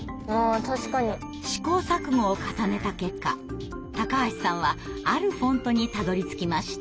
試行錯誤を重ねた結果橋さんはあるフォントにたどりつきました。